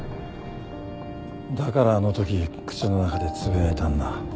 だからあのとき口の中でつぶやいたんだ。